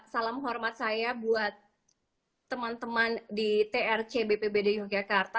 salam hormat saya buat teman teman di trc bpbd yogyakarta